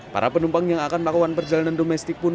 para penumpang yang akan melakukan perjalanan domestik pun